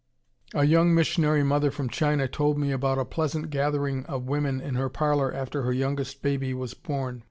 A young missionary mother from China told me about a pleasant gathering of women in her parlor after her youngest baby was born.